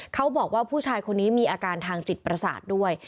เขาบอกว่าผู้ชายคนนี้มีอาการทางจิตประสาทด้วย